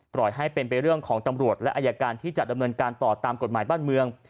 ปล่อยให้เป็นไปเรื่องของตำรวจและอายการที่จะดำเนินการต่อตามกฎหมายบ้านเมือง